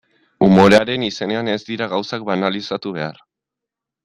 Umorearen izenean ez dira gauzak banalizatu behar.